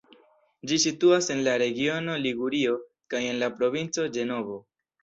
Ĝi situas en la regiono Ligurio kaj en la provinco Ĝenovo.